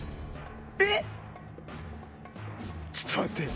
えっ！